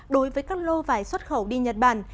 đối với các lô vải xuất khẩu đi nhật bản